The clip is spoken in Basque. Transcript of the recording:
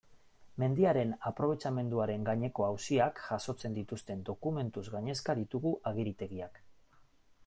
Mendiaren aprobetxamenduaren gaineko auziak jasotzen dituzten dokumentuz gainezka ditugu agiritegiak.